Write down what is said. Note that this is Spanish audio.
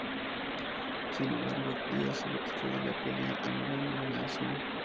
Sin embargo, Dias se retiró de la pelea alegando una lesión.